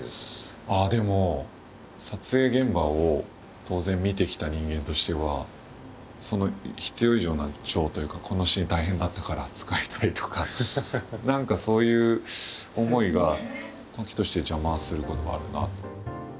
ああでも撮影現場を当然見てきた人間としては必要以上な情というかこのシーン大変だったから使いたいとか何かそういう思いが時として邪魔をすることはあるなと。